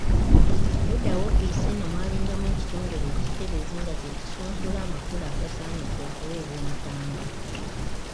Edda woofiisi eno mwalingamu ekitongole ekikebezi nga kye kisunsula amakula agasaanidde okuweebwa Omutanda.